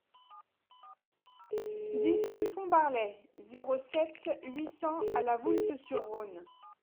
dix rue Fombarlet, zéro sept, huit cents à La Voulte-sur-Rhône